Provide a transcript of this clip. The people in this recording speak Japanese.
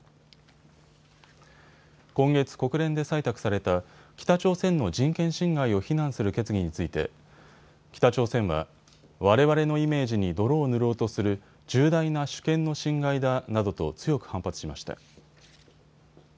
今月、国連で採択された北朝鮮の人権侵害を非難する決議について北朝鮮はわれわれのイメージに泥を塗ろうとする重大な主権の侵害だなどと強く反発しました。